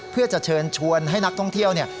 เพื่อจะเชิญชวนให้นักท่องเที่ยวเนี่ย